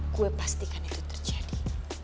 gue pastikan itu terjadi